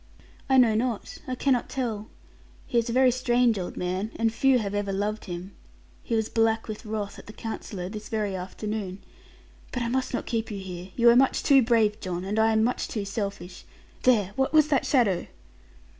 'I know not. I cannot tell. He is a very strange old man; and few have ever loved him. He was black with wrath at the Counsellor, this very afternoon but I must not keep you here you are much too brave, John; and I am much too selfish: there, what was that shadow?'